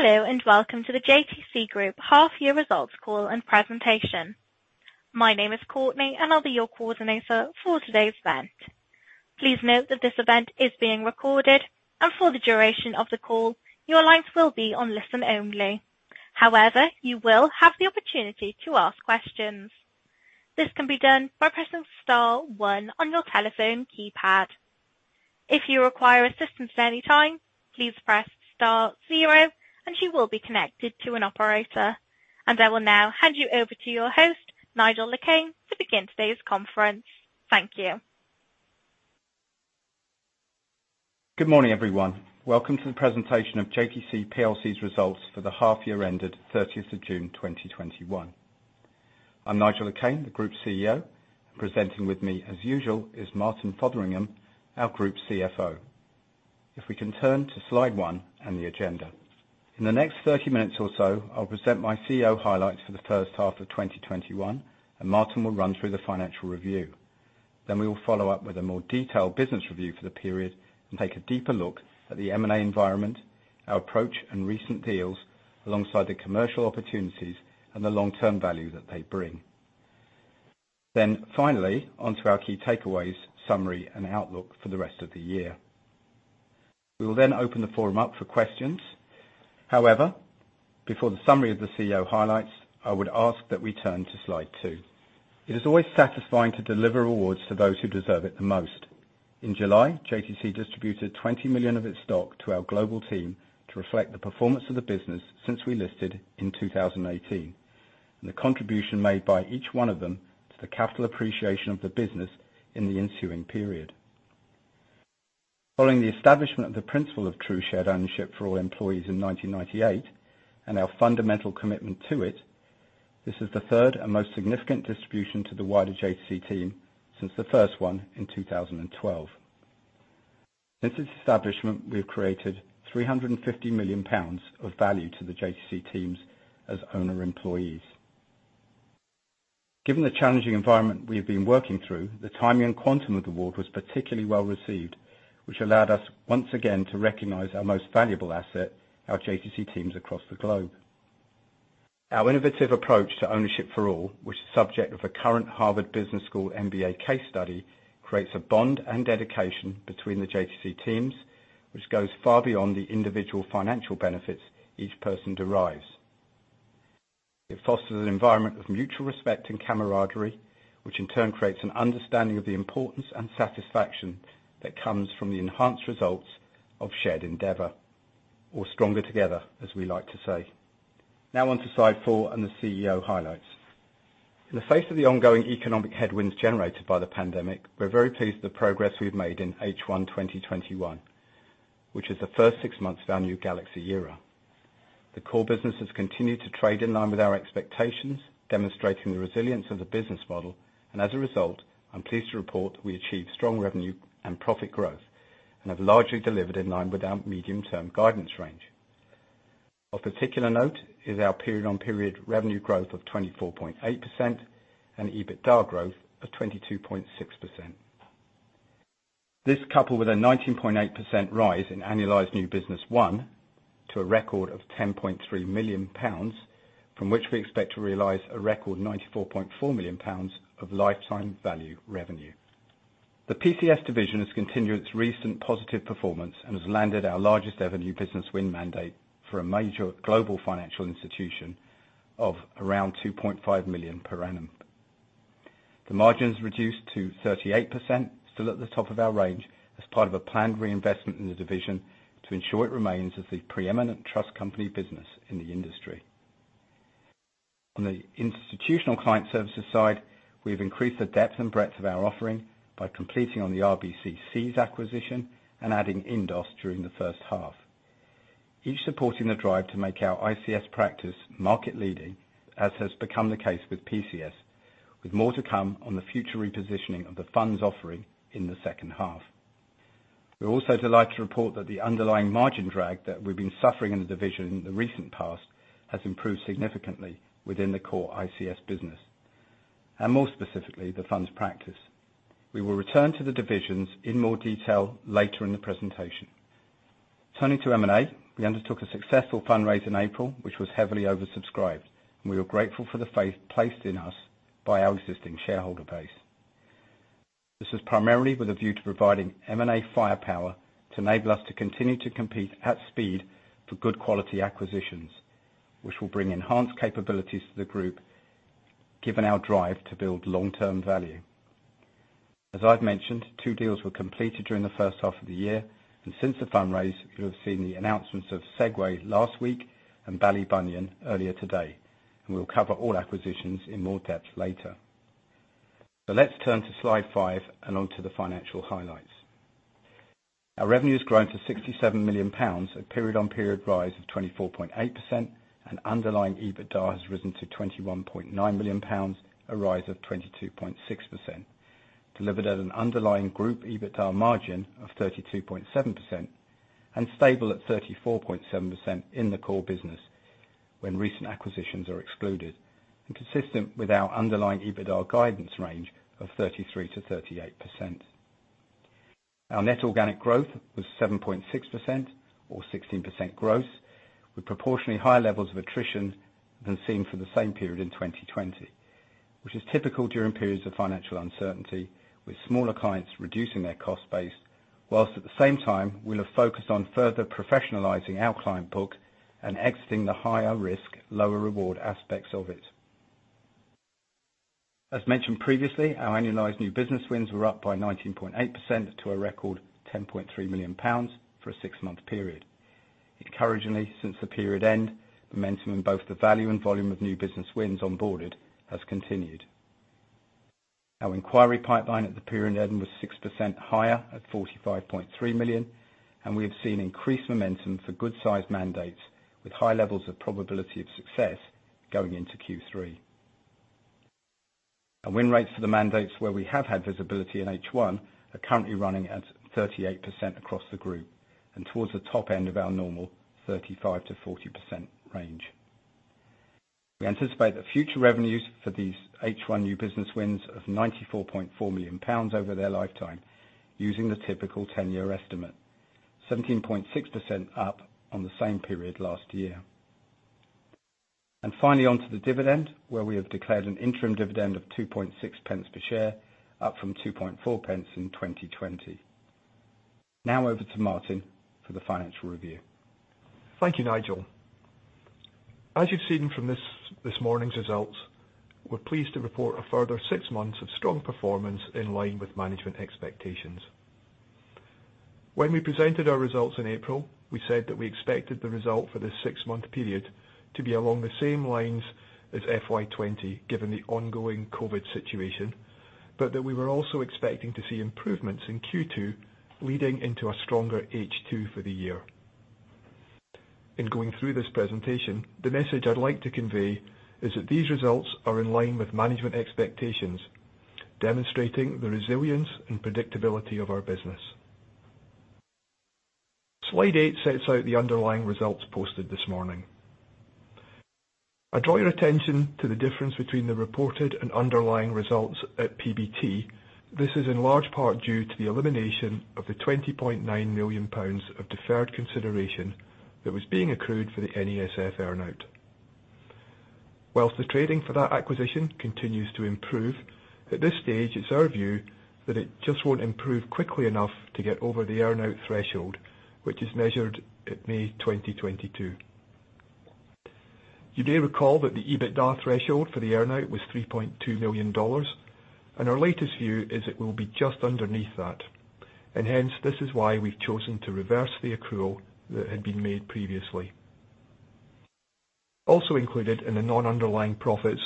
Hello, and welcome to the JTC Group half-year results call and presentation. My name is Courtney, and I'll be your coordinator for today's event. Please note that this event is being recorded, and for the duration of the call, your lines will be on listen only. However, you will have the opportunity to ask questions. This can be done by pressing star one on your telephone keypad. If you require assistance at any time, please press star 0 and you will be connected to an operator. I will now hand you over to your host, Nigel Le Quesne, to begin today's conference. Thank you. Good morning, everyone. Welcome to the presentation of JTC PLC's results for the half year ended 30th of June 2021. I'm Nigel Le Quesne, the Group CEO. Presenting with me as usual is Martin Fotheringham, our Group CFO. If we can turn to slide one and the agenda. In the next 30 minutes or so, I'll present my CEO highlights for the first half of 2021, and Martin will run through the financial review. We will follow up with a more detailed business review for the period and take a deeper look at the M&A environment, our approach, and recent deals, alongside the commercial opportunities and the long-term value that they bring. Finally, onto our key takeaways, summary, and outlook for the rest of the year. We will then open the forum up for questions. However, before the summary of the CEO highlights, I would ask that we turn to slide two. It is always satisfying to deliver awards to those who deserve it the most. In July, JTC distributed 20 million of its stock to our global team to reflect the performance of the business since we listed in 2018, and the contribution made by each one of them to the capital appreciation of the business in the ensuing period. Following the establishment of the principle of true shared Ownership for All in 1998, and our fundamental commitment to it, this is the third and most significant distribution to the wider JTC team since the first one in 2012. Since its establishment, we have created 350 million pounds of value to the JTC teams as owner-employees. Given the challenging environment we have been working through, the timing and quantum of the award was particularly well-received, which allowed us once again to recognize our most valuable asset, our JTC teams across the globe. Our innovative approach to Ownership for All, which is subject of a current Harvard Business School MBA case study, creates a bond and dedication between the JTC teams, which goes far beyond the individual financial benefits each person derives. It fosters an environment of mutual respect and camaraderie, which in turn creates an understanding of the importance and satisfaction that comes from the enhanced results of shared endeavor, or Stronger Together, as we like to say. Now on to slide four and the CEO highlights. In the face of the ongoing economic headwinds generated by the pandemic, we're very pleased with the progress we've made in H1 2021, which is the first six months of our new Galaxy era. The core business has continued to trade in line with our expectations, demonstrating the resilience of the business model. As a result, I'm pleased to report we achieved strong revenue and profit growth and have largely delivered in line with our medium-term guidance range. Of particular note is our period-on-period revenue growth of 24.8% and EBITDA growth of 22.6%. This coupled with a 19.8% rise in annualized new business won to a record of 10.3 million pounds, from which we expect to realize a record 94.4 million pounds of lifetime value revenue. The PCS division has continued its recent positive performance and has landed our largest ever new business win mandate for a major global financial institution of around 2.5 million per annum. The margin's reduced to 38%, still at the top of our range, as part of a planned reinvestment in the division to ensure it remains as the preeminent trust company business in the industry. On the institutional client services side, we've increased the depth and breadth of our offering by completing on the RBC CEES acquisition and adding INDOS during the first half. Each supporting the drive to make our ICS practice market leading, as has become the case with PCS, with more to come on the future repositioning of the funds offering in the second half. We're also delighted to report that the underlying margin drag that we've been suffering in the division in the recent past has improved significantly within the core ICS business, and more specifically, the funds practice. We will return to the divisions in more detail later in the presentation. Turning to M&A, we undertook a successful fundraise in April, which was heavily oversubscribed, and we were grateful for the faith placed in us by our existing shareholder base. This is primarily with a view to providing M&A firepower to enable us to continue to compete at speed for good quality acquisitions, which will bring enhanced capabilities to the group, given our drive to build long-term value. As I've mentioned, two deals were completed during the first half of the year, and since the fundraise, you'll have seen the announcements of Segue last week and Ballybunion earlier today. We'll cover all acquisitions in more depth later. Let's turn to slide five and onto the financial highlights. Our revenue has grown to GBP 67 million, a period-on-period rise of 24.8%, and underlying EBITDA has risen to GBP 21.9 million, a rise of 22.6%, delivered at an underlying group EBITDA margin of 32.7% and stable at 34.7% in the core business when recent acquisitions are excluded and consistent with our underlying EBITDA guidance range of 33%-38%. Our net organic growth was 7.6%, or 16% growth, with proportionally higher levels of attrition than seen for the same period in 2020. Which is typical during periods of financial uncertainty, with smaller clients reducing their cost base, whilst at the same time, we'll have focused on further professionalizing our client book and exiting the higher risk, lower reward aspects of it. As mentioned previously, our annualized new business wins were up by 19.8% to a record 10.3 million pounds for a six-month period. Encouragingly, since the period end, momentum in both the value and volume of new business wins onboarded has continued. Our inquiry pipeline at the period end was 6% higher at 45.3 million, and we have seen increased momentum for good-sized mandates with high levels of probability of success going into Q3. Our win rates for the mandates where we have had visibility in H1 are currently running at 38% across the group and towards the top end of our normal 35%-40% range. We anticipate that future revenues for these H1 new business wins of 94.4 million pounds over their lifetime using the typical 10-year estimate, 17.6% up on the same period last year. Finally, onto the dividend, where we have declared an interim dividend of 0.026 per share, up from 0.024 in 2020. Now over to Martin for the financial review. Thank you, Nigel. As you've seen from this morning's results, we're pleased to report a further six months of strong performance in line with management expectations. When we presented our results in April, we said that we expected the result for this six-month period to be along the same lines as FY 2020, given the ongoing COVID situation, but that we were also expecting to see improvements in Q2 leading into a stronger H2 for the year. In going through this presentation, the message I'd like to convey is that these results are in line with management expectations, demonstrating the resilience and predictability of our business. Slide eight sets out the underlying results posted this morning. I draw your attention to the difference between the reported and underlying results at PBT. This is in large part due to the elimination of the GBP 20.9 million of deferred consideration that was being accrued for the NESF earn-out. The trading for that acquisition continues to improve, at this stage it's our view that it just won't improve quickly enough to get over the earn-out threshold, which is measured at May 2022. You may recall that the EBITDA threshold for the earn-out was $3.2 million. Our latest view is it will be just underneath that. Hence, this is why we've chosen to reverse the accrual that had been made previously. Also included in the non-underlying profits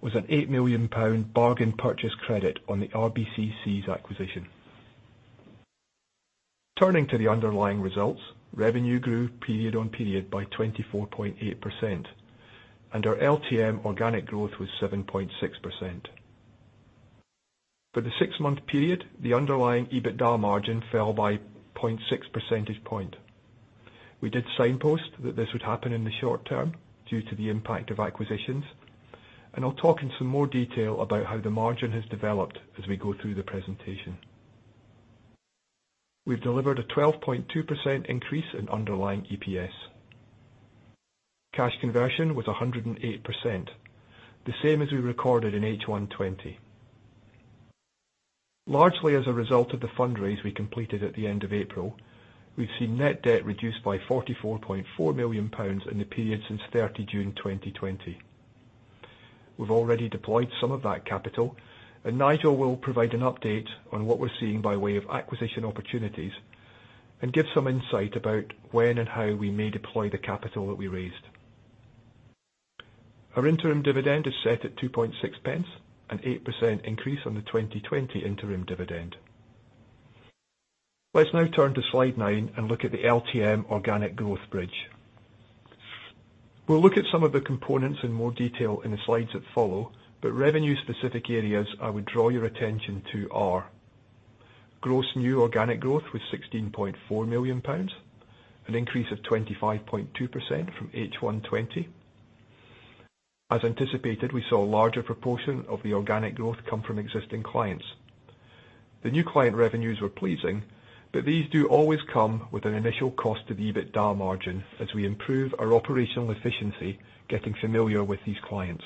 was a 8 million pound bargain purchase credit on the RBC CEES' acquisition. Turning to the underlying results, revenue grew period on period by 24.8%. Our LTM organic growth was 7.6%. For the six-month period, the underlying EBITDA margin fell by 0.6 percentage point. We did signpost that this would happen in the short term due to the impact of acquisitions, and I'll talk in some more detail about how the margin has developed as we go through the presentation. We've delivered a 12.2% increase in underlying EPS. Cash conversion was 108%, the same as we recorded in H1 2020. Largely as a result of the fundraise we completed at the end of April, we've seen net debt reduced by 44.4 million pounds in the period since 30 June 2020. We've already deployed some of that capital, and Nigel will provide an update on what we're seeing by way of acquisition opportunities and give some insight about when and how we may deploy the capital that we raised. Our interim dividend is set at 0.026, an 8% increase on the 2020 interim dividend. Let's now turn to slide nine and look at the LTM organic growth bridge. We'll look at some of the components in more detail in the slides that follow. Revenue specific areas I would draw your attention to are gross new organic growth was 16.4 million pounds, an increase of 25.2% from H1 2020. As anticipated, we saw a larger proportion of the organic growth come from existing clients. The new client revenues were pleasing, but these do always come with an initial cost to the EBITDA margin as we improve our operational efficiency getting familiar with these clients.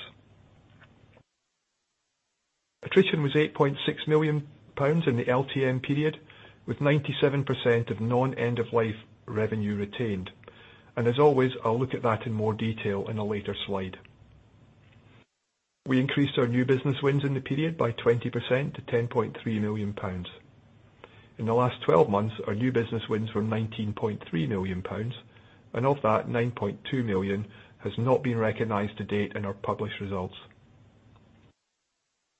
Attrition was 8.6 million pounds in the LTM period, with 97% of non-end-of-life revenue retained. As always, I'll look at that in more detail in a later slide. We increased our new business wins in the period by 20% to 10.3 million pounds. In the last 12 months, our new business wins were 19.3 million pounds, Of that, 9.2 million has not been recognized to date in our published results.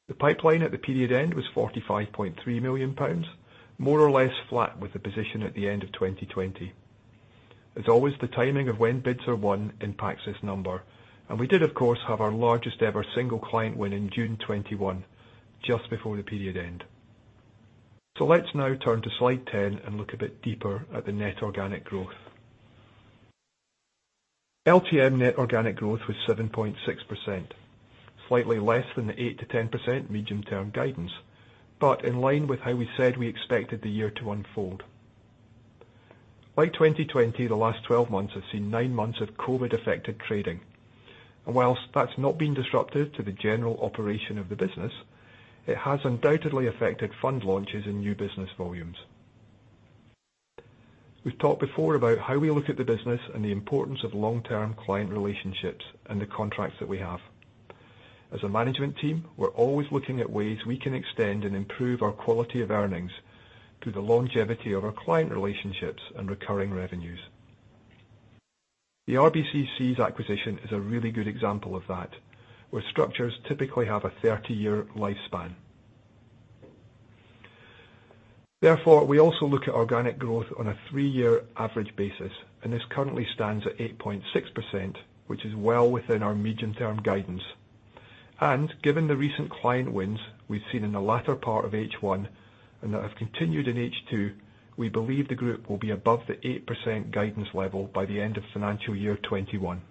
The pipeline at the period end was 45.3 million pounds, more or less flat with the position at the end of 2020. As always, the timing of when bids are won impacts this number. We did, of course, have our largest ever single client win in June 2021, just before the period end. Let's now turn to slide 10 and look a bit deeper at the net organic growth. LTM net organic growth was 7.6%, slightly less than the 8%-10% medium-term guidance, In line with how we said we expected the year to unfold. Like 2020, the last 12 months have seen nine months of COVID-affected trading. Whilst that's not been disruptive to the general operation of the business, it has undoubtedly affected fund launches and new business volumes. We've talked before about how we look at the business and the importance of long-term client relationships and the contracts that we have. As a management team, we're always looking at ways we can extend and improve our quality of earnings through the longevity of our client relationships and recurring revenues. The RBC CEES acquisition is a really good example of that, where structures typically have a 30-year lifespan. We also look at organic growth on a three-year average basis, and this currently stands at 8.6%, which is well within our medium-term guidance. Given the recent client wins we've seen in the latter part of H1 and that have continued in H2, we believe the group will be above the 8% guidance level by the end of financial year 2021.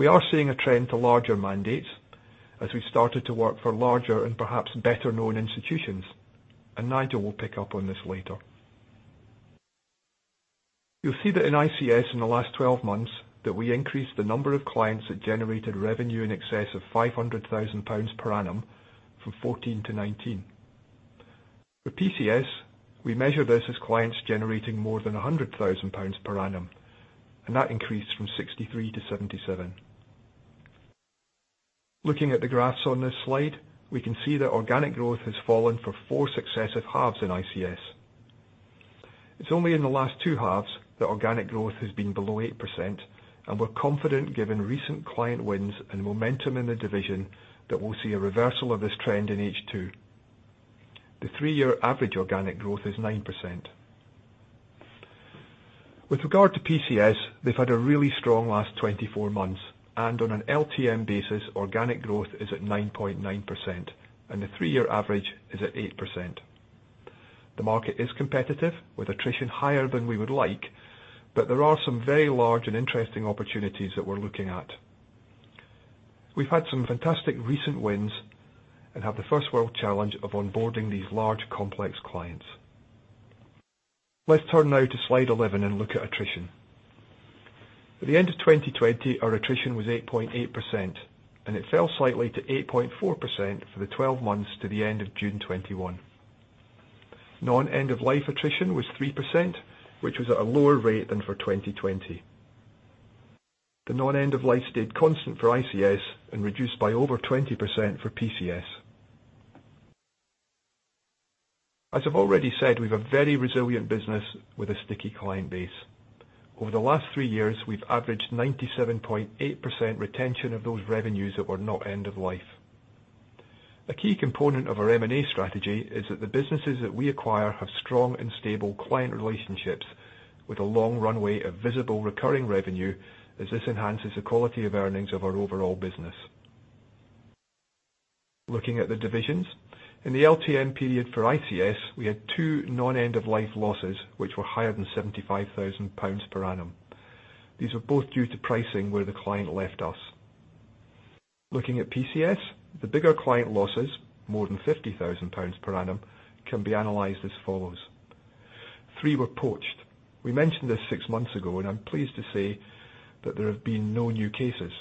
We are seeing a trend to larger mandates as we started to work for larger and perhaps better-known institutions, and Nigel will pick up on this later. You'll see that in ICS in the last 12 months that we increased the number of clients that generated revenue in excess of GBP 500,000 per annum from 14 to 19. For PCS, we measure this as clients generating more than 100,000 pounds per annum, and that increased from 63 to 77. Looking at the graphs on this slide, we can see that organic growth has fallen for four successive halves in ICS. It's only in the last two halves that organic growth has been below 8%, and we're confident, given recent client wins and momentum in the division, that we'll see a reversal of this trend in H2. The three-year average organic growth is 9%. With regard to PCS, they've had a really strong last 24 months, and on an LTM basis, organic growth is at 9.9%, and the three-year average is at 8%. The market is competitive, with attrition higher than we would like, but there are some very large and interesting opportunities that we're looking at. We've had some fantastic recent wins and have the first world challenge of onboarding these large, complex clients. Let's turn now to Slide 11 and look at attrition. At the end of 2020, our attrition was 8.8%, and it fell slightly to 8.4% for the 12 months to the end of June 2021. Non-end-of-life attrition was 3%, which was at a lower rate than for 2020. The non-end-of-life stayed constant for ICS and reduced by over 20% for PCS. As I've already said, we've a very resilient business with a sticky client base. Over the last three years, we've averaged 97.8% retention of those revenues that were not end-of-life. A key component of our M&A strategy is that the businesses that we acquire have strong and stable client relationships with a long runway of visible recurring revenue as this enhances the quality of earnings of our overall business. Looking at the divisions. In the LTM period for ICS, we had two non-end-of-life losses, which were higher than 75,000 pounds per annum. These were both due to pricing where the client left us. Looking at PCS, the bigger client losses, more than 50,000 pounds per annum, can be analyzed as follows. Three were poached. We mentioned this six months ago, and I'm pleased to say that there have been no new cases.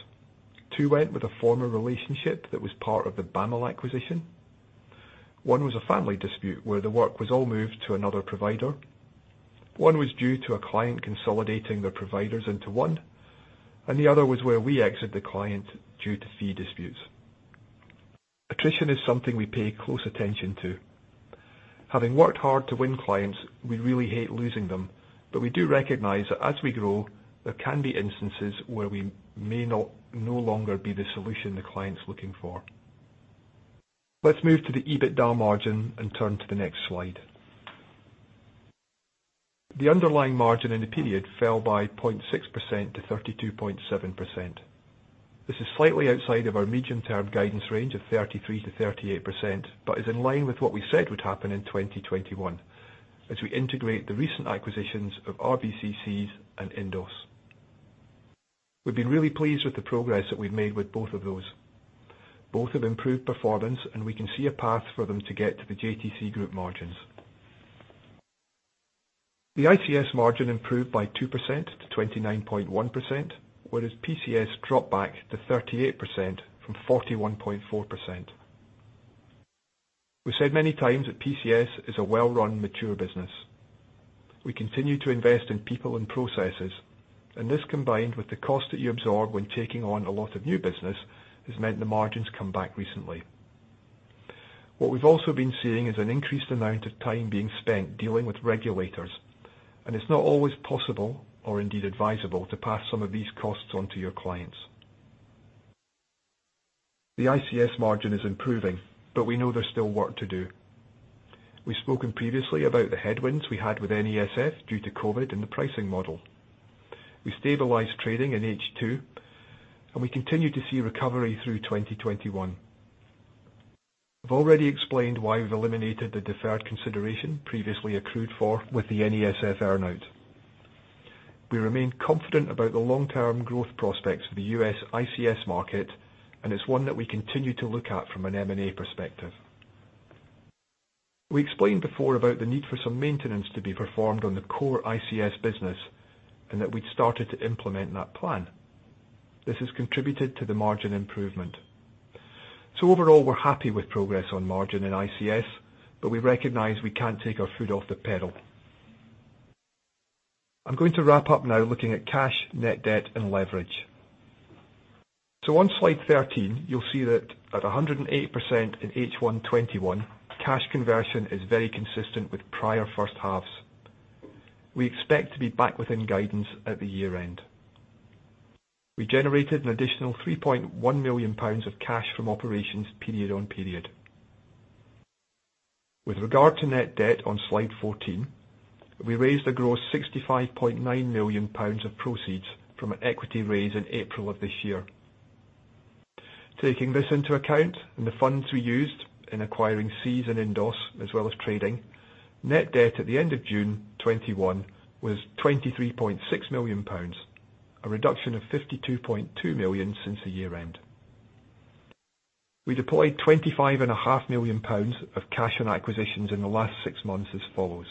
Two went with a former relationship that was part of the Ballybunion acquisition. One was a family dispute where the work was all moved to another provider. One was due to a client consolidating their providers into one, and the other was where we exit the client due to fee disputes. Attrition is something we pay close attention to. Having worked hard to win clients, we really hate losing them, but we do recognize that as we grow, there can be instances where we may no longer be the solution the client's looking for. Let's move to the EBITDA margin and turn to the next slide. The underlying margin in the period fell by 0.6% to 32.7%. This is slightly outside of our medium-term guidance range of 33%-38%, but is in line with what we said would happen in 2021 as we integrate the recent acquisitions of RBC CEES and Indos. We've been really pleased with the progress that we've made with both of those. Both have improved performance, and we can see a path for them to get to the JTC Group margins. The ICS margin improved by 2% to 29.1%, whereas PCS dropped back to 38% from 41.4%. We've said many times that PCS is a well-run, mature business. We continue to invest in people and processes, and this, combined with the cost that you absorb when taking on a lot of new business, has meant the margin's come back recently. What we've also been seeing is an increased amount of time being spent dealing with regulators, and it's not always possible or indeed advisable to pass some of these costs on to your clients. The ICS margin is improving, but we know there's still work to do. We've spoken previously about the headwinds we had with NESF due to COVID and the pricing model. We stabilized trading in H2, and we continue to see recovery through 2021. I've already explained why we've eliminated the deferred consideration previously accrued for with the NESF earn-out. We remain confident about the long-term growth prospects for the U.S. ICS market, and it's one that we continue to look at from an M&A perspective. We explained before about the need for some maintenance to be performed on the core ICS business, and that we'd started to implement that plan. This has contributed to the margin improvement. Overall, we're happy with progress on margin in ICS, but we recognize we can't take our foot off the pedal. I'm going to wrap up now looking at cash, net debt, and leverage. On Slide 13, you'll see that at 108% in H1 2021, cash conversion is very consistent with prior first halves. We expect to be back within guidance at the year-end. We generated an additional 3.1 million pounds of cash from operations period on period. With regard to net debt on Slide 14, we raised a gross 65.9 million pounds of proceeds from an equity raise in April of this year. Taking this into account and the funds we used in acquiring NES Financial and Indos, as well as trading, net debt at the end of June 2021 was 23.6 million pounds, a reduction of 52.2 million since the year-end. We deployed 25.5 million pounds of cash on acquisitions in the last six months as follows: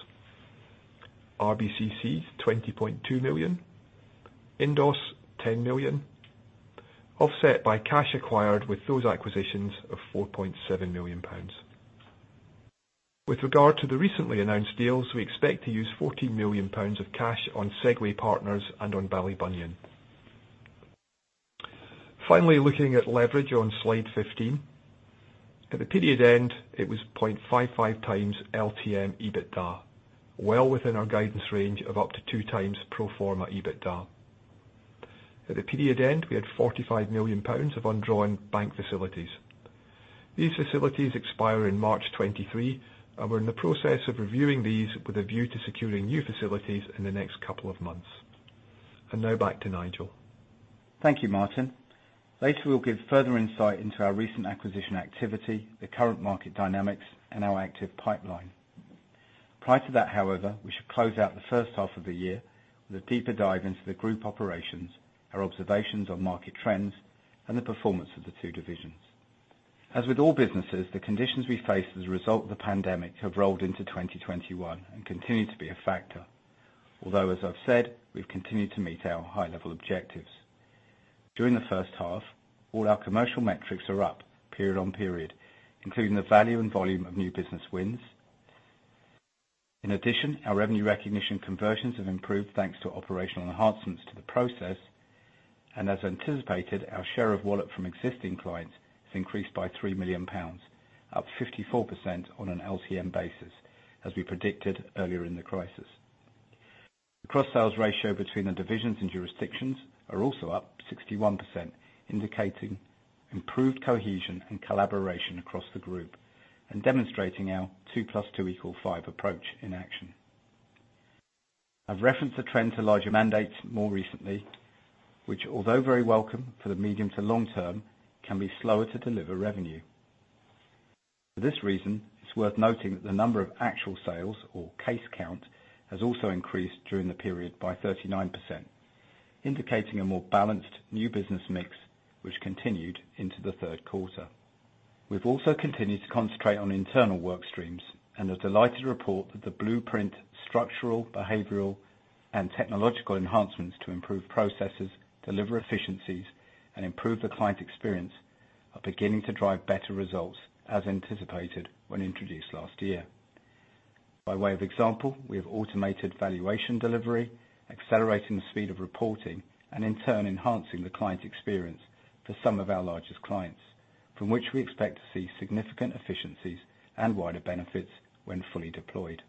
RBC CEES, 20.2 million, Indos, 10 million, offset by cash acquired with those acquisitions of 4.7 million pounds. With regard to the recently announced deals, we expect to use 14 million pounds of cash on Segue Partners and on Ballybunion. Finally, looking at leverage on Slide 15. At the period end, it was 0.55 times LTM EBITDA, well within our guidance range of up to 2x pro forma EBITDA. At the period end, we had 45 million pounds of undrawn bank facilities. These facilities expire in March 2023, and we're in the process of reviewing these with a view to securing new facilities in the next couple of months. Now back to Nigel. Thank you, Martin. Later we'll give further insight into our recent acquisition activity, the current market dynamics, and our active pipeline. Prior to that, however, we should close out the H1 of the year with a deeper dive into the group operations, our observations on market trends, and the performance of the two divisions. As with all businesses, the conditions we face as a result of the pandemic have rolled into 2021 and continue to be a factor. As I've said, we've continued to meet our high-level objectives. During the H1, all our commercial metrics are up period on period, including the value and volume of new business wins. In addition, our revenue recognition conversions have improved thanks to operational enhancements to the process. As anticipated, our share of wallet from existing clients has increased by 3 million pounds, up 54% on an LTM basis, as we predicted earlier in the crisis. The cross-sales ratio between the divisions and jurisdictions are also up 61%, indicating improved cohesion and collaboration across the group and demonstrating our 2+2=5 approach in action. I've referenced the trend to larger mandates more recently, which although very welcome for the medium to long-term, can be slower to deliver revenue. For this reason, it's worth noting that the number of actual sales or case count has also increased during the period by 39%, indicating a more balanced new business mix which continued into the third quarter. We've also continued to concentrate on internal work streams and are delighted to report that the Blueprint structural, behavioral, and technological enhancements to improve processes, deliver efficiencies, and improve the client experience are beginning to drive better results, as anticipated when introduced last year. By way of example, we have automated valuation delivery, accelerating the speed of reporting, and in turn enhancing the client experience for some of our largest clients, from which we expect to see significant efficiencies and wider benefits when fully deployed.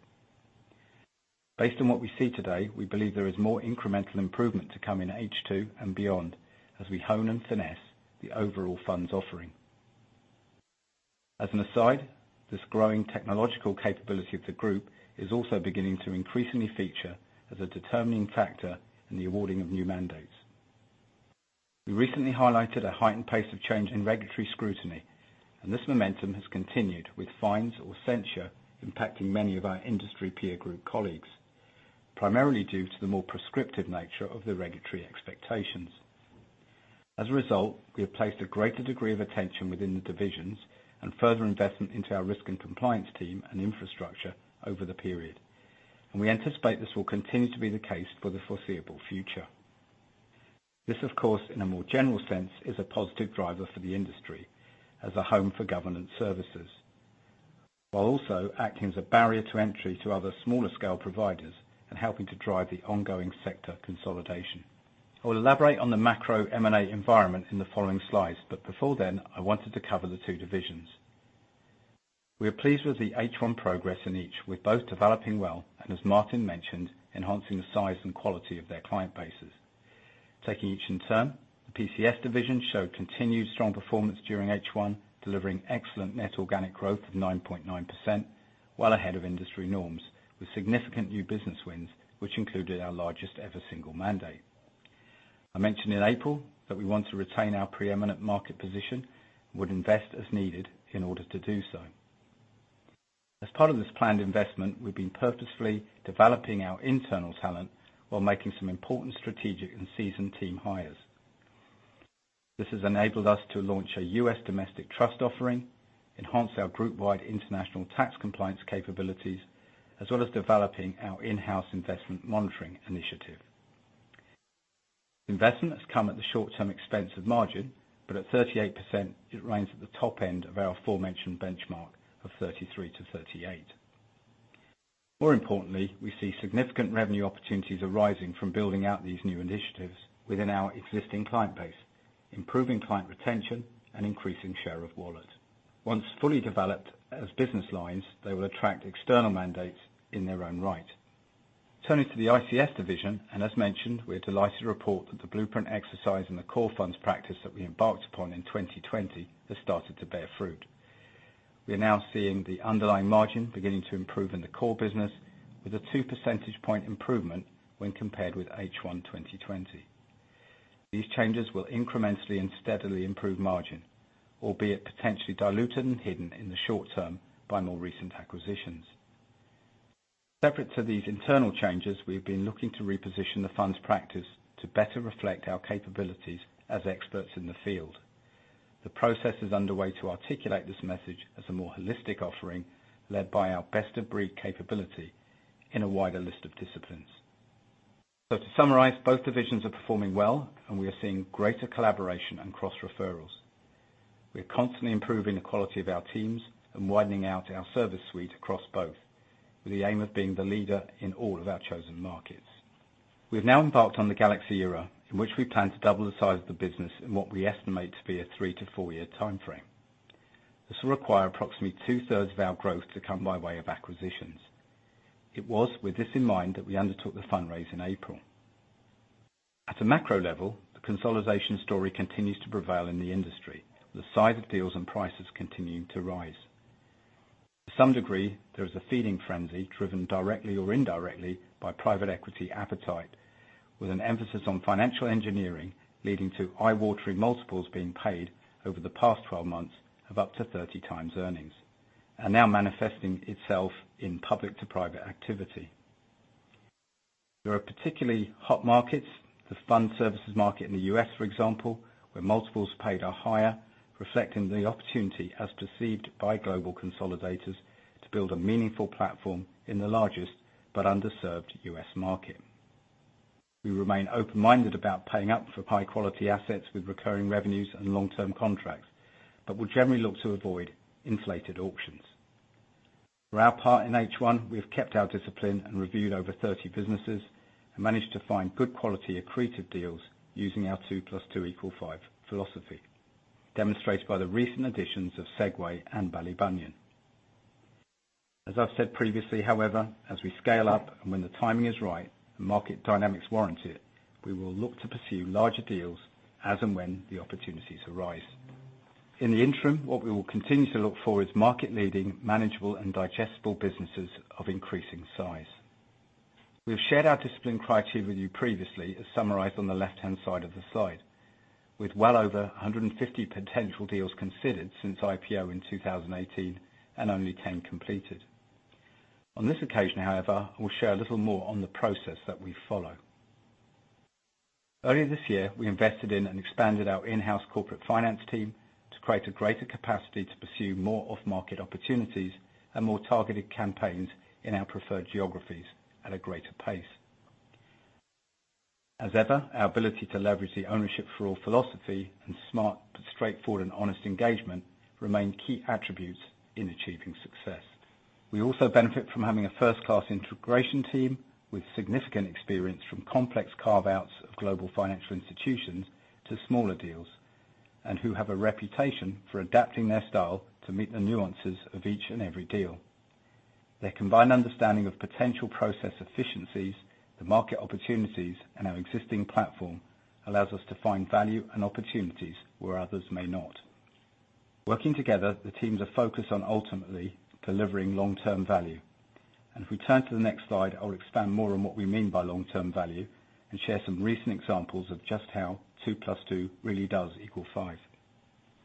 Based on what we see today, we believe there is more incremental improvement to come in H2 and beyond as we hone and finesse the overall funds offering. As an aside, this growing technological capability of the group is also beginning to increasingly feature as a determining factor in the awarding of new mandates. We recently highlighted a heightened pace of change in regulatory scrutiny, and this momentum has continued with fines or censure impacting many of our industry peer group colleagues, primarily due to the more prescriptive nature of the regulatory expectations. As a result, we have placed a greater degree of attention within the divisions and further investment into our risk and compliance team and infrastructure over the period. We anticipate this will continue to be the case for the foreseeable future. This, of course, in a more general sense, is a positive driver for the industry as a home for governance services, while also acting as a barrier to entry to other smaller scale providers and helping to drive the ongoing sector consolidation. I will elaborate on the macro M&A environment in the following slides, but before then, I wanted to cover the two divisions. We are pleased with the H1 progress in each, with both developing well, and as Martin mentioned, enhancing the size and quality of their client bases. Taking each in turn, the PCS division showed continued strong performance during H1, delivering excellent net organic growth of 9.9% while ahead of industry norms with significant new business wins, which included our largest ever single mandate. I mentioned in April that we want to retain our preeminent market position, would invest as needed in order to do so. As part of this planned investment, we've been purposefully developing our internal talent while making some important strategic and seasoned team hires. This has enabled us to launch a U.S. domestic trust offering, enhance our group wide international tax compliance capabilities, as well as developing our in-house investment monitoring initiative. Investment has come at the short-term expense of margin. At 38%, it ranks at the top end of our aforementioned benchmark of 33%-38%. More importantly, we see significant revenue opportunities arising from building out these new initiatives within our existing client base, improving client retention and increasing share of wallet. Once fully developed as business lines, they will attract external mandates in their own right. Turning to the ICS Division, as mentioned, we are delighted to report that the Blueprint exercise and the core funds practice that we embarked upon in 2020 has started to bear fruit. We are now seeing the underlying margin beginning to improve in the core business with a 2 percentage point improvement when compared with H1 2020. These changes will incrementally and steadily improve margin, albeit potentially diluted and hidden in the short term by more recent acquisitions. Separate to these internal changes, we've been looking to reposition the funds practice to better reflect our capabilities as experts in the field. The process is underway to articulate this message as a more holistic offering, led by our best-of-breed capability in a wider list of disciplines. To summarize, both divisions are performing well, and we are seeing greater collaboration and cross referrals. We are constantly improving the quality of our teams and widening out our service suite across both, with the aim of being the leader in all of our chosen markets. We have now embarked on the Galaxy era, in which we plan to double the size of the business in what we estimate to be a three to four year time frame. This will require approximately 2/3 of our growth to come by way of acquisitions. It was with this in mind that we undertook the fundraise in April. At a macro level, the consolidation story continues to prevail in the industry. The size of deals and prices continue to rise. To some degree, there is a feeding frenzy driven directly or indirectly by private equity appetite, with an emphasis on financial engineering, leading to eye-watering multiples being paid over the past 12 months of up to 30x earnings, and now manifesting itself in public to private activity. There are particularly hot markets, the fund services market in the U.S., for example, where multiples paid are higher, reflecting the opportunity as perceived by global consolidators to build a meaningful platform in the largest but underserved U.S. market. We remain open-minded about paying up for high quality assets with recurring revenues and long-term contracts, but we generally look to avoid inflated auctions. For our part in H1, we've kept our discipline and reviewed over 30 businesses and managed to find good quality accretive deals using our 2+2=5 philosophy, demonstrated by the recent additions of Segue and Ballybunion. As I've said previously, however, as we scale up and when the timing is right and market dynamics warrant it, we will look to pursue larger deals as and when the opportunities arise. In the interim, what we will continue to look for is market leading, manageable, and digestible businesses of increasing size. We have shared our discipline criteria with you previously, as summarized on the left-hand side of the slide, with well over 150 potential deals considered since IPO in 2018 and only 10 completed. On this occasion, however, I will share a little more on the process that we follow. Earlier this year, we invested in and expanded our in-house corporate finance team to create a greater capacity to pursue more off-market opportunities and more targeted campaigns in our preferred geographies at a greater pace. As ever, our ability to leverage the Ownership for All philosophy and smart but straightforward and honest engagement remain key attributes in achieving success. We also benefit from having a first-class integration team with significant experience from complex carve-outs of global financial institutions to smaller deals, and who have a reputation for adapting their style to meet the nuances of each and every deal. Their combined understanding of potential process efficiencies, the market opportunities, and our existing platform allows us to find value and opportunities where others may not. Working together, the teams are focused on ultimately delivering long-term value. If we turn to the next slide, I will expand more on what we mean by long-term value and share some recent examples of just how two plus two really does equal five.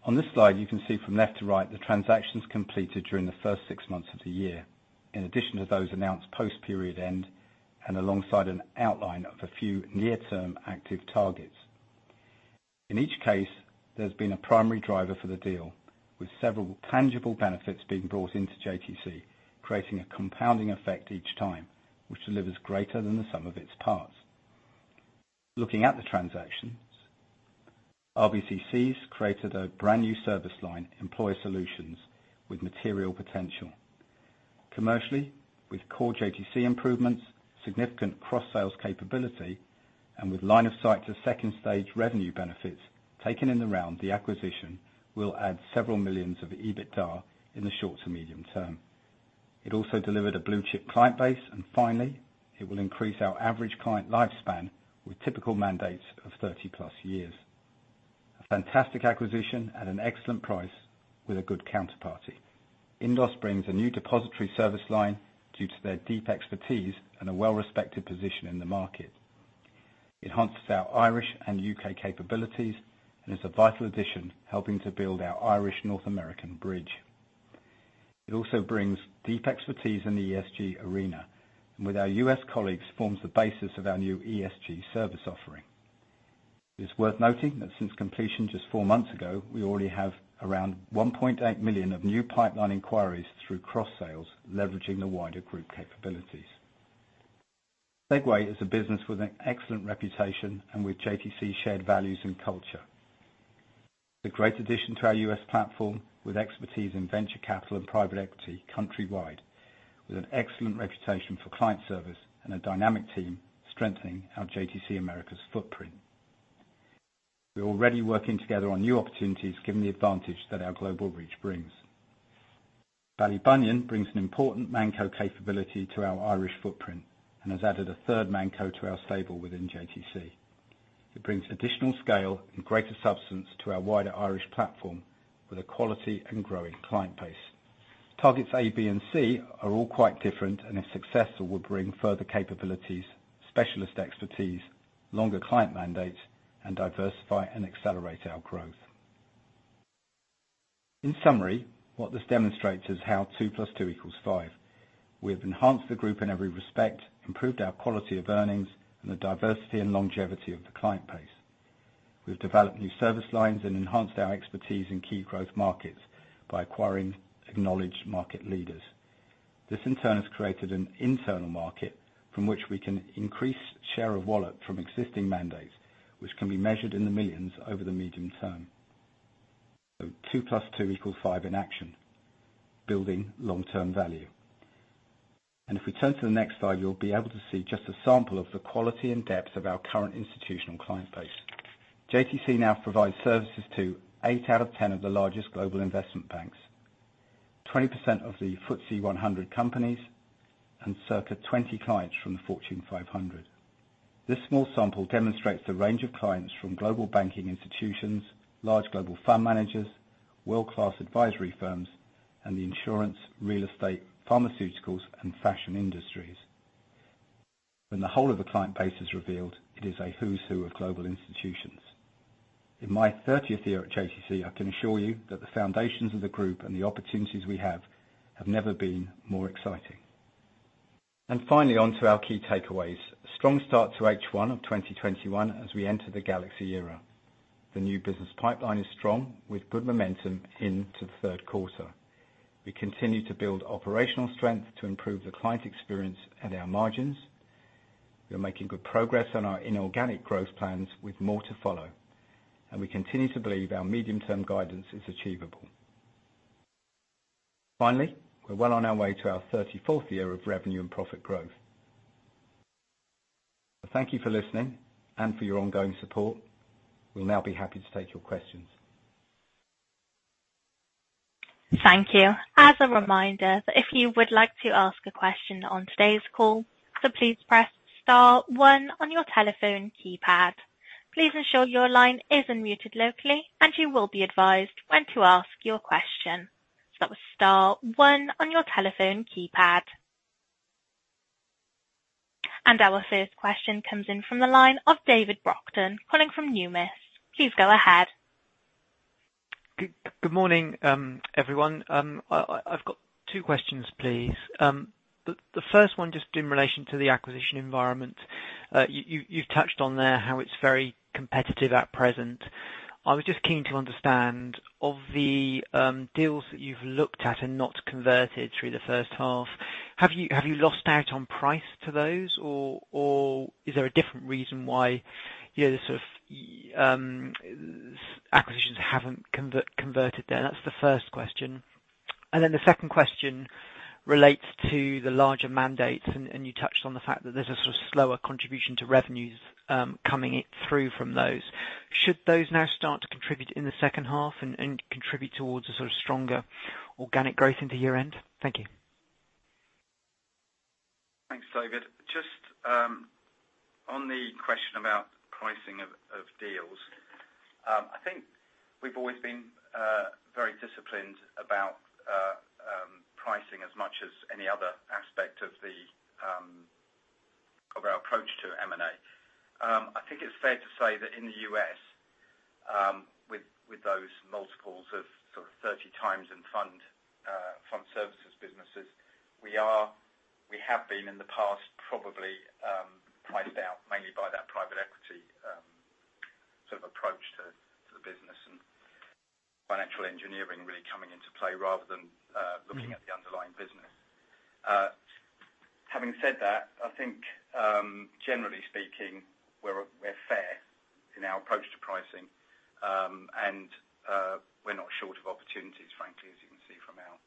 On this slide, you can see from left to right the transactions completed during the first six months of the year, in addition to those announced post period end and alongside an outline of a few near-term active targets. In each case, there's been a primary driver for the deal, with several tangible benefits being brought into JTC, creating a compounding effect each time, which delivers greater than the sum of its parts. Looking at the transactions, RBC CEES has created a brand new service line, Employer Solutions, with material potential. Commercially, with core JTC improvements, significant cross-sales capability, and with line of sight to second stage revenue benefits, taken in the round, the acquisition will add several million GBP of EBITDA in the short to medium term. It also delivered a blue-chip client base, and finally, it will increase our average client lifespan with typical mandates of 30+ years. A fantastic acquisition at an excellent price with a good counterparty. Indos brings a new depository service line due to their deep expertise and a well-respected position in the market. It enhances our Irish and U.K. capabilities and is a vital addition, helping to build our Irish-North American bridge. It also brings deep expertise in the ESG arena, and with our U.S. colleagues forms the basis of our new ESG service offering. It's worth noting that since completion just four months ago, we already have around 1.8 million of new pipeline inquiries through cross sales leveraging the wider group capabilities. Segue is a business with an excellent reputation and with JTC shared values and culture. It's a great addition to our U.S. platform, with expertise in venture capital and private equity countrywide, with an excellent reputation for client service and a dynamic team strengthening our JTC Americas footprint. We are already working together on new opportunities given the advantage that our global reach brings. Ballybunion brings an important ManCo capability to our Irish footprint and has added a third ManCo to our stable within JTC. It brings additional scale and greater substance to our wider Irish platform with a quality and growing client base. Targets A, B, and C are all quite different and if successful, will bring further capabilities, specialist expertise, longer client mandates, and diversify and accelerate our growth. In summary, what this demonstrates is how 2+2=5. We have enhanced the group in every respect, improved our quality of earnings, and the diversity and longevity of the client base. We've developed new service lines and enhanced our expertise in key growth markets by acquiring acknowledged market leaders. This in turn has created an internal market from which we can increase share of wallet from existing mandates, which can be measured in the millions over the medium term. two plus two equals five in action, building long-term value. if we turn to the next slide, you'll be able to see just a sample of the quality and depth of our current institutional client base. JTC now provides services to eight out of 10 of the largest global investment banks, 20% of the FTSE 100 companies, and circa 20 clients from the Fortune 500. This small sample demonstrates the range of clients from global banking institutions, large global fund managers, world-class advisory firms, and the insurance, real estate, pharmaceuticals, and fashion industries. When the whole of the client base is revealed, it is a who's who of global institutions. In my 30th year at JTC, I can assure you that the foundations of the group and the opportunities we have never been more exciting. Finally, on to our key takeaways. A strong start to H1 of 2021 as we enter the Galaxy era. The new business pipeline is strong with good momentum into the third quarter. We continue to build operational strength to improve the client experience and our margins. We are making good progress on our inorganic growth plans with more to follow. We continue to believe our medium-term guidance is achievable. Finally, we're well on our way to our 34th year of revenue and profit growth. Thank you for listening and for your ongoing support. We'll now be happy to take your questions. Thank you. As a reminder, if you would like to ask a question on today's call, please press star one on your telephone keypad. Please ensure your line is unmuted locally, and you will be advised when to ask your question. That was star one on your telephone keypad. Our first question comes in from the line of David Brockton calling from Numis. Please go ahead. Good morning, everyone. I've got two questions, please. The first one just in relation to the acquisition environment. You've touched on there how it's very competitive at present. I was just keen to understand, of the deals that you've looked at and not converted through the H1, have you lost out on price to those or is there a different reason why the sort of acquisitions haven't converted there? That's the first question. The second question relates to the larger mandates, and you touched on the fact that there's a sort of slower contribution to revenues coming through from those. Should those now start to contribute in the H2 and contribute towards a sort of stronger organic growth into year-end? Thank you. Thanks, David. Just on the question about pricing of deals. I think we've always been very disciplined about pricing as much as any other aspect of our approach to M&A. I think it's fair to say that in the U.S., with those multiples of sort of 30 times in fund services businesses, we have been in the past probably priced out mainly by that private equity sort of approach to the business and financial engineering really coming into play rather than looking at the underlying business. Having said that, I think generally speaking, we're fair in our approach to pricing, and we're not short of opportunities, frankly, as you can see from our-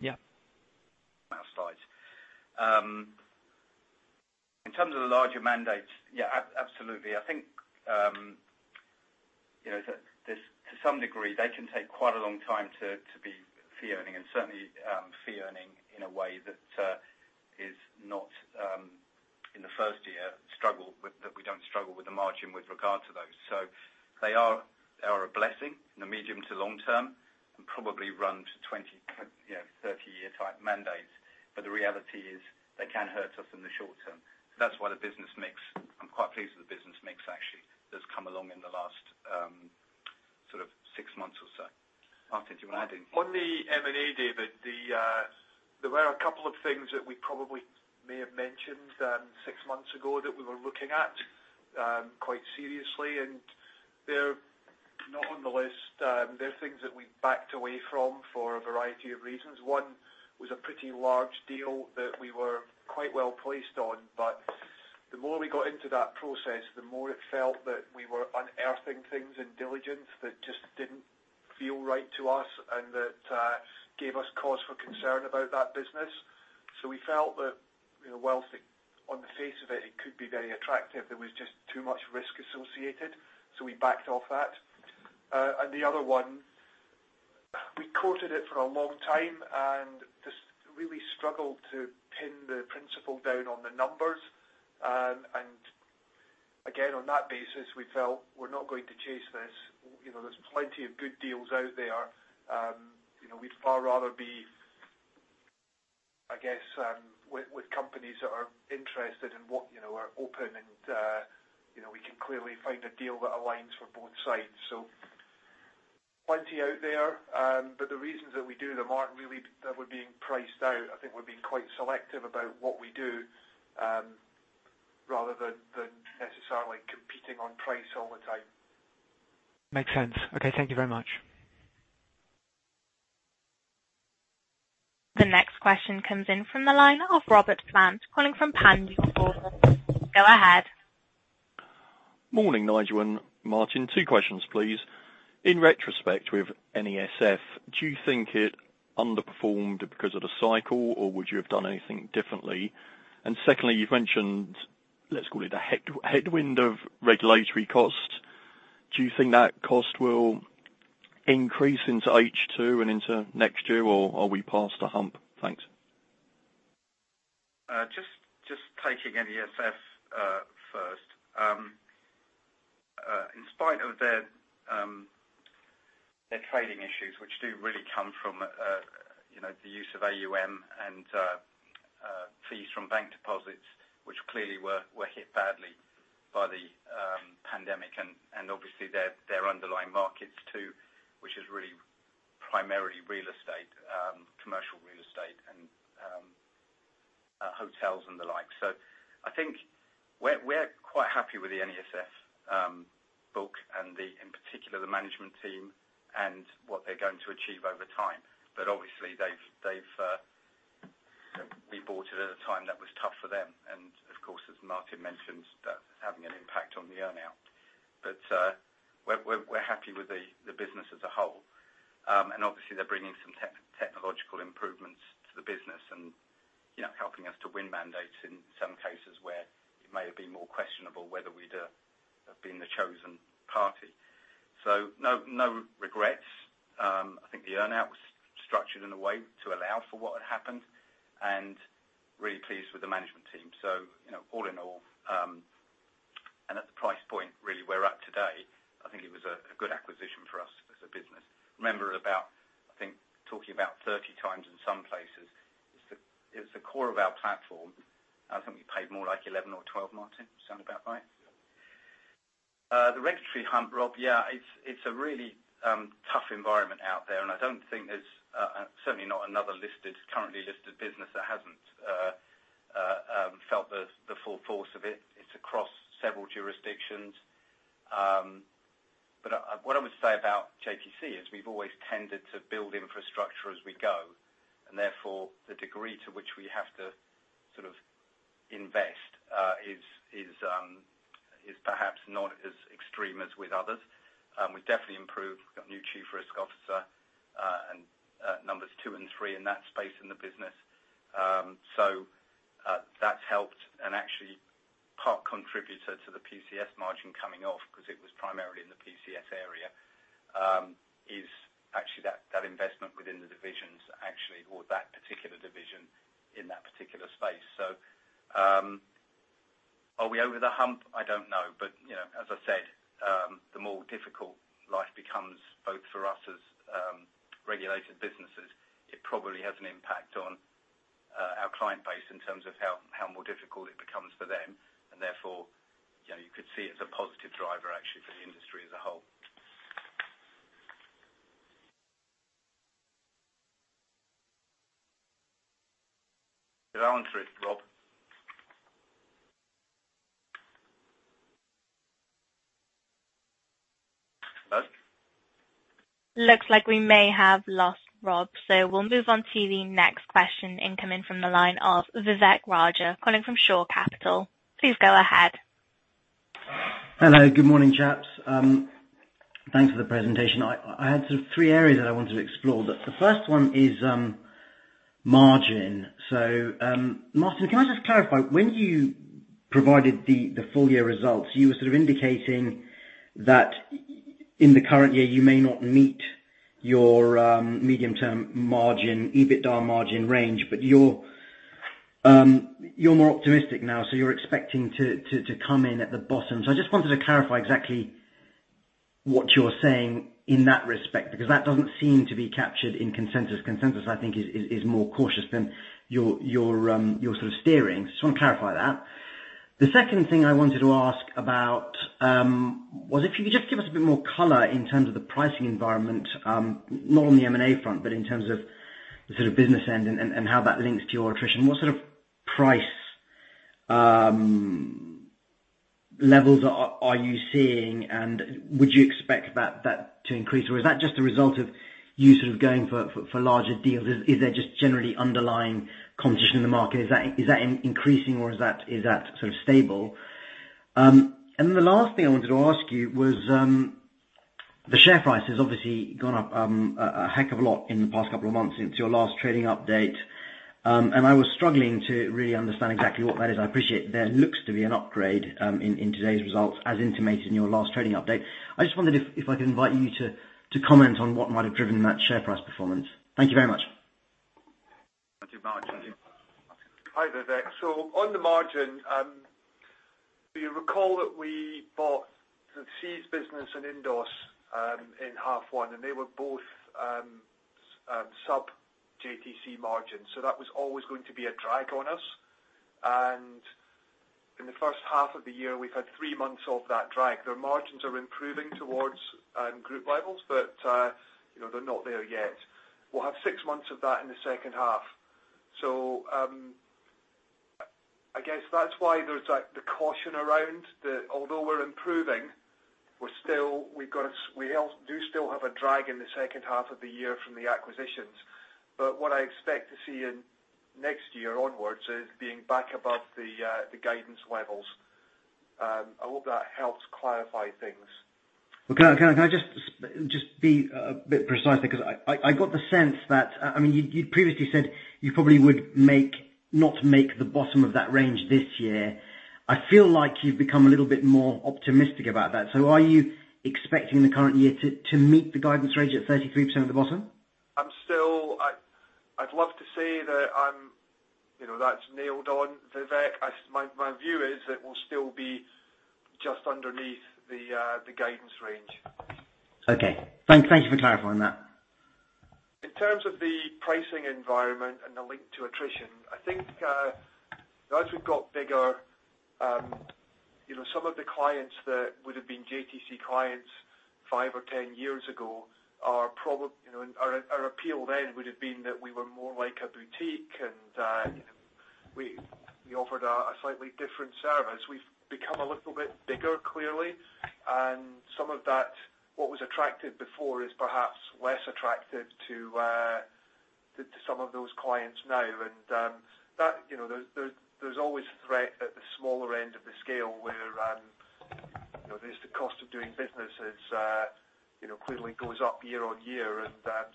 Yeah slides. In terms of the larger mandates, yeah, absolutely. I think to some degree, they can take quite a long time to be fee earning and certainly fee earning in a way that is not in the first year, that we don't struggle with the margin with regard to those. They are a blessing in the medium to long term, and probably run to 20, 30-year type mandates. The reality is they can hurt us in the short term. That's why the business mix, I'm quite pleased with the business mix actually, that's come along in the last six months or so. Martin, do you want to add in? On the M&A, David, there were a couple of things that we probably may have mentioned six months ago that we were looking at quite seriously. They're things that we backed away from for a variety of reasons. One was a pretty large deal that we were quite well-placed on. The more we got into that process, the more it felt that we were unearthing things in diligence that just didn't feel right to us and that gave us cause for concern about that business. We felt that whilst on the face of it could be very attractive, there was just too much risk associated, so we backed off that. The other one, we courted it for a long time and just really struggled to pin the principal down on the numbers. Again, on that basis, we felt we're not going to chase this. There's plenty of good deals out there. We'd far rather be, I guess, with companies that are interested and are open and we can clearly find a deal that aligns for both sides. Plenty out there. The reasons that we do them aren't really that we're being priced out. I think we're being quite selective about what we do rather than necessarily competing on price all the time. Makes sense. Okay, thank you very much. The next question comes in from the line of Robert Plant, calling from Peel Hunt. Go ahead. Morning, Nigel and Martin. Two questions, please. In retrospect, with NESF, do you think it underperformed because of the cycle, or would you have done anything differently? Secondly, you've mentioned, let's call it a headwind of regulatory cost. Do you think that cost will increase into H2 and into next year, or are we past the hump? Thanks. Taking NESF first. In spite of their trading issues, which do really come from the use of AUM and fees from bank deposits, which clearly were hit badly by the pandemic and obviously their underlying markets too, which is really primarily commercial real estate and hotels and the like. I think we're quite happy with the NESF book and in particular, the management team and what they're going to achieve over time. Obviously we bought it at a time that was tough for them. Of course, as Martin mentioned, that's having an impact on the earn-out. We're happy with the business as a whole. Obviously they're bringing some technological improvements to the business and helping us to win mandates in some cases where it may have been more questionable whether we'd have been the chosen party. No regrets. I think the earn-out was structured in a way to allow for what had happened, and really pleased with the management team. All in all, and at the price point really we're at today, I think it was a good acquisition for us as a business. Remember, I think talking about 30 times in some places, it's the core of our platform. I think we paid more like 11 or 12, Martin. Sound about right? Yeah. The regulatory hump, Rob. Yeah, it's a really tough environment out there and I don't think there's certainly not another currently listed business that hasn't felt the full force of it. It's across several jurisdictions. What I would say about JTC is we've always tended to build infrastructure as we go, and therefore, the degree to which we have to sort of invest is perhaps not as extreme as with others. We've definitely improved. We've got a new chief risk officer, and numbers two and three in that space in the business. That's helped and actually part contributor to the PCS margin coming off because it was primarily in the PCS area, is actually that investment within the divisions actually, or that particular division in that particular space. Are we over the hump? I don't know. As I said, the more difficult life becomes both for us as regulated businesses, it probably has an impact on our client base in terms of how more difficult it becomes for them, and therefore, you could see it as a positive driver actually for the industry as a whole. Did I answer it, Rob? Hello? Looks like we may have lost Rob. We'll move on to the next question incoming from the line of Vivek Raja, calling from Shore Capital. Please go ahead. Hello. Good morning, chaps. Thanks for the presentation. I had sort of three areas that I wanted to explore. The first one is margin. Martin, can I just clarify, when you provided the full year results, you were sort of indicating that in the current year, you may not meet your medium-term margin, EBITDA margin range, but you're more optimistic now, so you're expecting to come in at the bottom. I just wanted to clarify exactly what you're saying in that respect, because that doesn't seem to be captured in consensus. Consensus, I think, is more cautious than your steering. Just want to clarify that. The second thing I wanted to ask about, was if you could just give us a bit more color in terms of the pricing environment, not on the M&A front, but in terms of the business end and how that links to your attrition. What sort of price levels are you seeing, and would you expect that to increase? Is that just a result of you going for larger deals? Is there just generally underlying competition in the market? Is that increasing or is that stable? The last thing I wanted to ask you was, the share price has obviously gone up a heck of a lot in the past couple of months since your last trading update. I was struggling to really understand exactly what that is. I appreciate there looks to be an upgrade in today's results, as intimated in your last trading update. I just wondered if I could invite you to comment on what might have driven that share price performance. Thank you very much. Thank you, Martin. Hi there, Vivek. On the margin, do you recall that we bought the RBC CEES business and Indos in half one, and they were both sub JTC margins, so that was always going to be a drag on us. In the first half of the year, we've had three months of that drag. Their margins are improving towards group levels, but they're not there yet. We'll have 6 months of that in the second half. I guess that's why there's the caution around that although we're improving, we do still have a drag in the second half of the year from the acquisitions. What I expect to see in next year onwards is being back above the guidance levels. I hope that helps clarify things. Can I just be a bit precise because I got the sense that you previously said you probably would not make the bottom of that range this year. I feel like you've become a little bit more optimistic about that. Are you expecting the current year to meet the guidance range at 33% at the bottom? I'd love to say that that's nailed on, Vivek. My view is it will still be just underneath the guidance range. Okay. Thank you for clarifying that. In terms of the pricing environment and the link to attrition, I think as we got bigger, some of the clients that would have been JTC clients five or 10 years ago, our appeal then would have been that we were more like a boutique and we offered a slightly different service. We've become a little bit bigger, clearly, and some of that, what was attractive before is perhaps less attractive to some of those clients now. There's always a threat at the smaller end of the scale where there's the cost of doing businesses clearly goes up year-on-year, and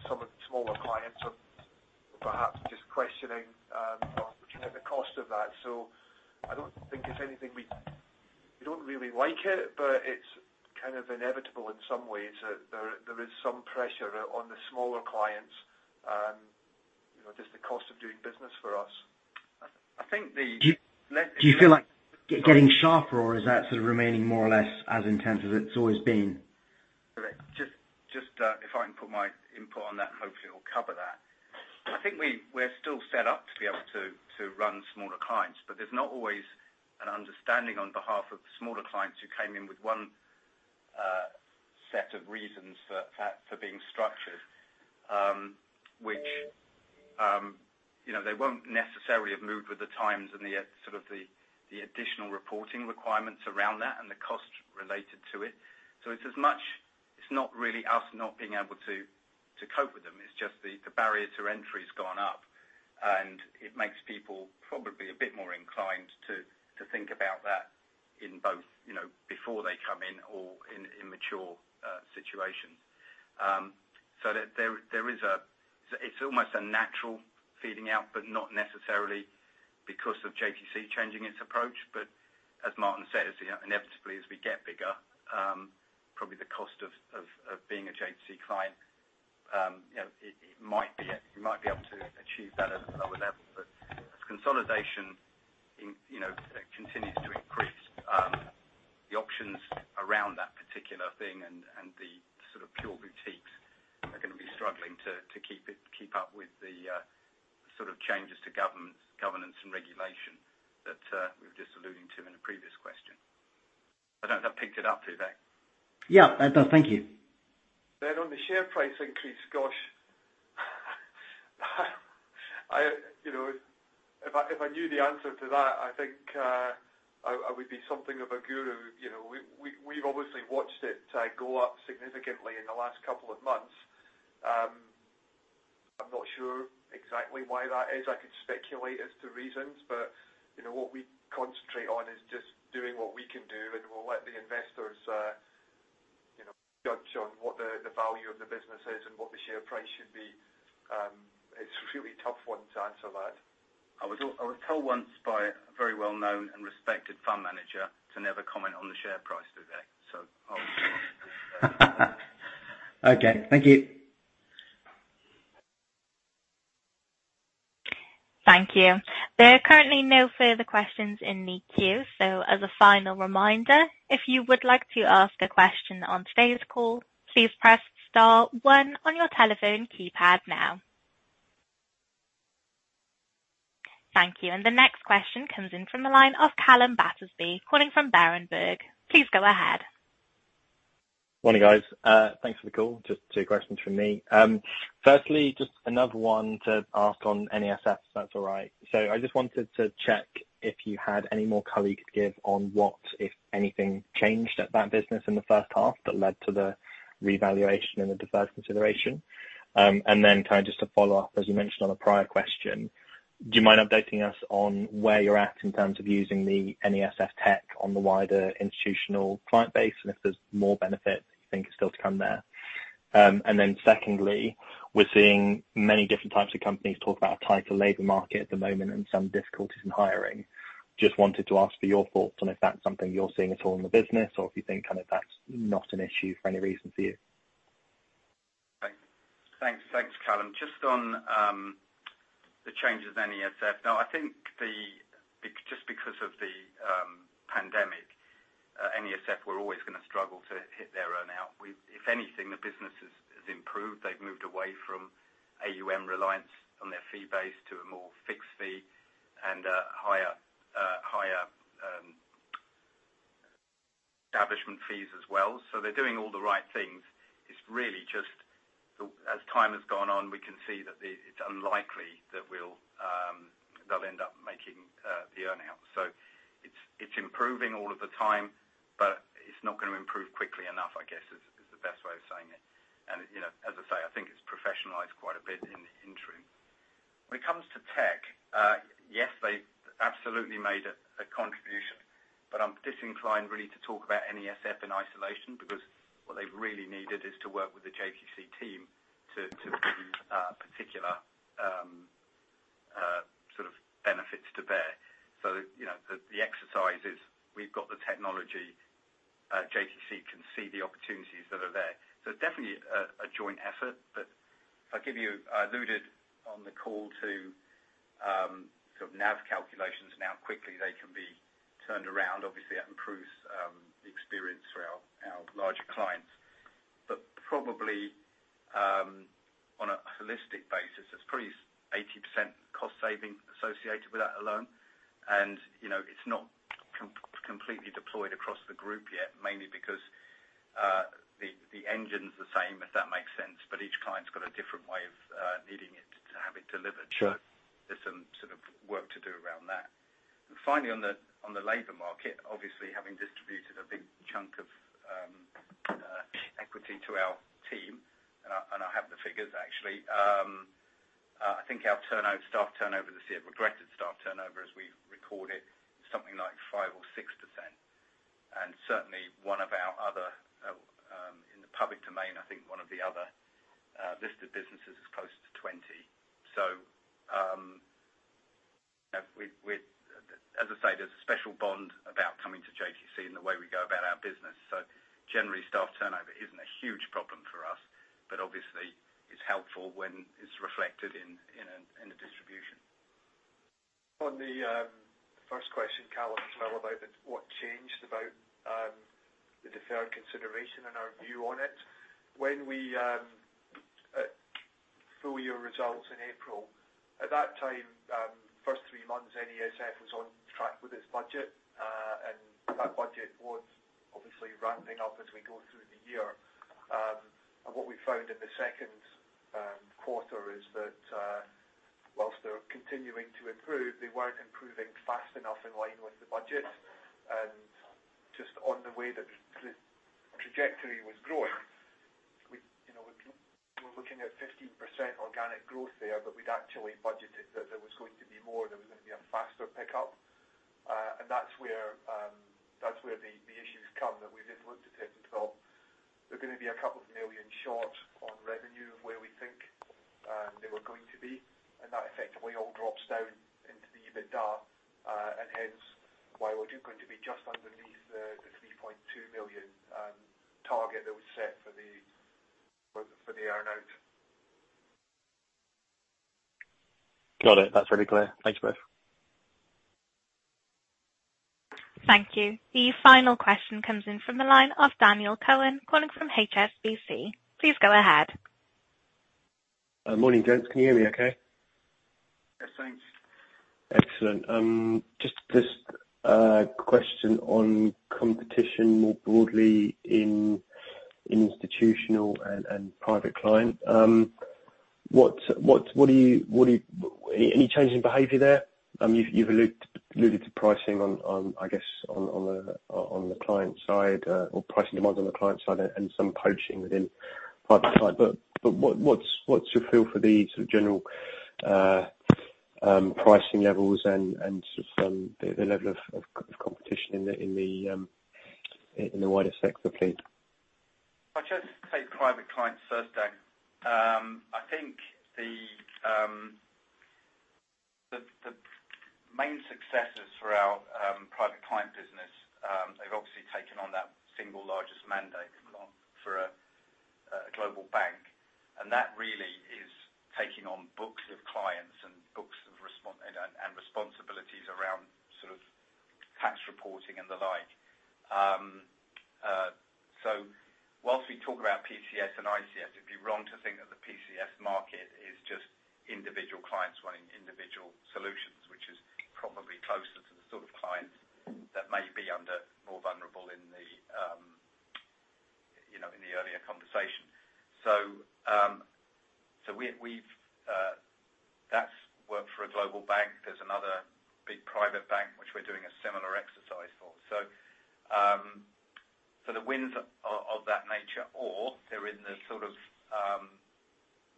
some of the smaller clients are perhaps just questioning looking at the cost of that. I don't think it's anything. We don't really like it, but it's kind of inevitable in some ways that there is some pressure on the smaller clients. Just the cost of doing business for us. Do you feel like getting sharper or is that sort of remaining more or less as intense as it's always been? If I can put my input on that, hopefully it'll cover that. I think we're still set up to be able to run smaller clients, but there's not always an understanding on behalf of the smaller clients who came in with one set of reasons for being structured, which they won't necessarily have moved with the times and the additional reporting requirements around that and the cost related to it. It's as much it's not really us not being able to cope with them, it's just the barrier to entry has gone up, and it makes people probably a bit more inclined to think about that in both before they come in or in mature situations. It's almost a natural feeding out, but not necessarily because of JTC changing its approach. As Martin said, inevitably as we get bigger, probably the cost of being a JTC client you might be able to achieve that at a lower level. As consolidation continues to increase, the options around that particular thing and the sort of pure boutiques are going to be struggling to keep up with the changes to governance and regulation that we were just alluding to in a previous question. I don't know if that picked it up, Vivek. Yeah. I've done. Thank you. On the share price increase, gosh. If I knew the answer to that, I think I would be something of a guru. We've obviously watched it go up significantly in the last couple of months. I'm not sure exactly why that is. I could speculate as to reasons, but what we concentrate on is just doing what we can do, and we'll let the investors judge on what the value of the business is and what the share price should be. It's a really tough one to answer that. I was told once by a very well-known and respected fund manager to never comment on the share price today, so I'll. Okay. Thank you. The next question comes in from the line of Calum Battersby, calling from Berenberg. Please go ahead. Morning, guys. Thanks for the call. Just two questions from me. Firstly, just another one to ask on NESF, if that's all right. I just wanted to check if you had any more color you could give on what, if anything, changed at that business in the H1 that led to the revaluation and the deferred consideration. Just to follow up, as you mentioned on a prior question, do you mind updating us on where you're at in terms of using the NESF tech on the wider institutional client base and if there's more benefit you think is still to come there? Secondly, we're seeing many different types of companies talk about a tighter labor market at the moment and some difficulties in hiring. Just wanted to ask for your thoughts on if that's something you're seeing at all in the business or if you think that's not an issue for any reason for you? Thanks, Calum. Just on the changes at NESF. I think just because of the pandemic, NESF were always going to struggle to hit their earn-out. If anything, the business has improved. They've moved away from AUM reliance on their fee base to a more fixed fee and higher establishment fees as well. They're doing all the right things. It's really just as time has gone on, we can see that it's unlikely that they'll end up making the earn-out. It's improving all of the time, but it's not going to improve quickly enough, I guess, is the best way of saying it. As I say, I think it's professionalized quite a bit in true. When it comes to tech, yes, they absolutely made a contribution, but I'm disinclined really to talk about NESF in isolation because what they've really needed is to work with the JTC team to bring particular benefits to bear. The exercise is we've got the technology, JTC can see the opportunities that are there. Definitely a joint effort. I alluded on the call to NAV calculations and how quickly they can be turned around. Obviously, that improves the experience for our larger clients. Probably on a holistic basis, it's probably 80% cost saving associated with that alone. It's not completely deployed across the group yet, mainly because the engine's the same, if that makes sense, but each client's got a different way of needing it to have it delivered. Sure. There's some work to do around that. Finally, on the labor market, obviously, having distributed a big chunk of equity to our team, I have the figures actually. I think our staff turnover this year, regretted staff turnover as we record it, something like 5% or 6%. Certainly one of our other in the public domain, I think one of the other listed businesses is close to 20%. As I say, there's a special bond about coming to JTC and the way we go about our business. Generally, staff turnover isn't a huge problem for us, but obviously it's helpful when it's reflected in the distribution. On the first question, Calum, as well about what changed about the deferred consideration and our view on it. When we full-year results in April. At that time, first three months, NESF was on track with its budget, and that budget was obviously ramping up as we go through the year. What we found in the second quarter is that whilst they were continuing to improve, they weren't improving fast enough in line with the budget. Just on the way that the trajectory was growing, we were looking at 15% organic growth there, but we'd actually budgeted that there was going to be more, there was going to be a faster pickup. That's where the issues come that we've just looked at it and thought we're going to be a couple of million short on revenue of where we think they were going to be. That effectively all drops down into the EBITDA, and hence why we're going to be just underneath the $3.2 million target that was set for the earn-out. Got it. That's really clear. Thanks both. Thank you. The final question comes in from the line of [Daniel Colin], calling from HSBC. Please go ahead. Morning, gents. Can you hear me okay? Yes, thanks. Excellent. Just a question on competition more broadly in institutional and Private Client. Any change in behavior there? You've alluded to pricing, I guess, on the client side or pricing demands on the client side and some poaching within private side. What's your feel for the general pricing levels and just the level of competition in the wider sector, please? I'll just take Private Client first, Dan. I think the main successes for our Private Client business, they've obviously taken on that single largest mandate for a global bank, and that really is taking on books of clients and responsibilities around tax reporting and the like. Whilst we talk about PCS and ICS, it would be wrong to think that the PCS market is just individual clients wanting individual solutions, which is probably closer to the sort of clients that may be under more vulnerable in the earlier conversation. That has worked for a global bank. There is another big private bank which we are doing a similar exercise for. The wins are of that nature, or they are in the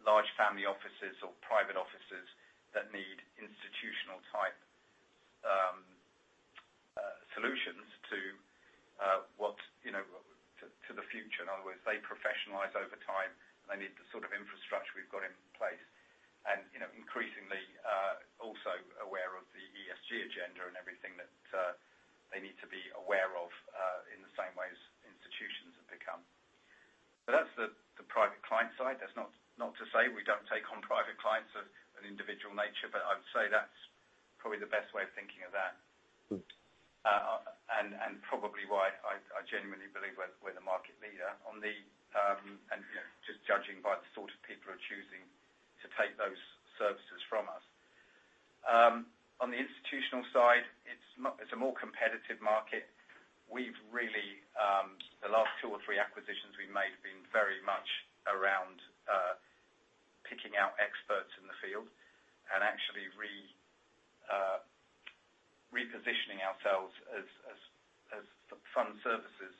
large family offices or private offices that need institutional type solutions to the future. In other words, they professionalize over time. They need the sort of infrastructure we've got in place and increasingly, also aware of the ESG agenda and everything that they need to be aware of, in the same way as institutions have become. That's the Private Client side. That's not to say we don't take on Private Clients of an individual nature, I would say that's probably the best way of thinking of that. Good. Probably why I genuinely believe we're the market leader, and just judging by the sort of people who are choosing to take those services from us. On the institutional side, it's a more competitive market. The last two or three acquisitions we've made have been very much around picking out experts in the field and actually repositioning ourselves as fund services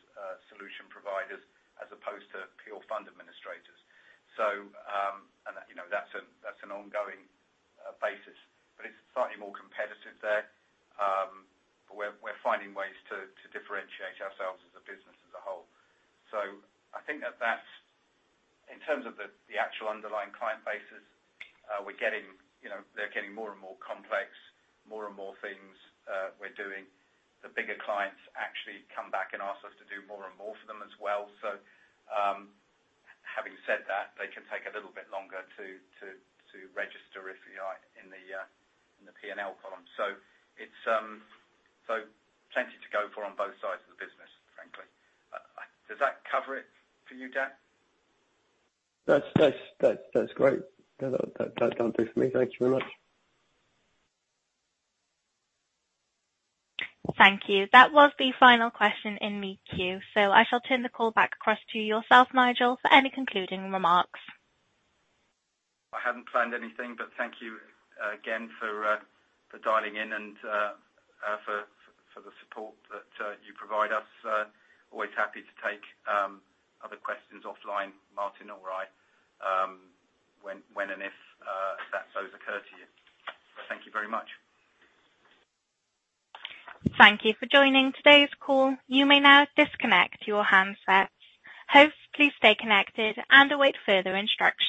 solution providers as opposed to pure fund administrators. That's an ongoing basis, it's slightly more competitive there. We're finding ways to differentiate ourselves as a business as a whole. I think that that's in terms of the actual underlying client bases, they're getting more and more complex, more and more things we're doing. The bigger clients actually come back and ask us to do more and more for them as well. Having said that, they can take a little bit longer to register in the P&L column. Plenty to go for on both sides of the business, frankly. Does that cover it for you, Dan? That's great. That'll do for me. Thank you very much. Thank you. That was the final question in the queue. I shall turn the call back across to yourself, Nigel, for any concluding remarks. I hadn't planned anything. Thank you again for dialing in and for the support that you provide us. Always happy to take other questions offline, Martin or I, when and if those occur to you. Thank you very much. Thank you for joining today's call. You may now disconnect your handsets. Please stay connected and await further instructions.